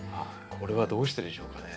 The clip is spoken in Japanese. これはどうしてでしょうかね？